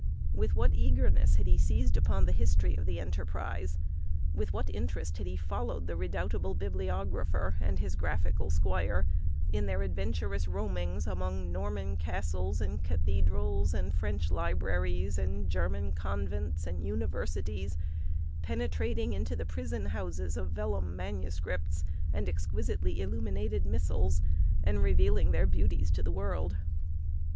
With what eagerness had he seized upon the history of the enterprise! With what interest had he followed the redoubtable bibliographer and his graphical squire in their adventurous roamings among Norman castles and cathedrals, and French libraries, and German convents and universities; penetrating into the prison houses of vellum manuscripts and exquisitely illuminated missals, and revealing their beauties to the world!